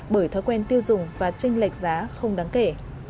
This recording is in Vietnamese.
bởi thói quen tiêu dùng và tranh lệch giá không đáng kể